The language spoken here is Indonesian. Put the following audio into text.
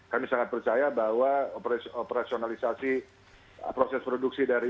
kami sangat percaya bahwa operasionalisasi